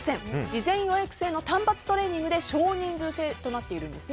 事前予約制の単発トレーニングで少人数制となっているんです。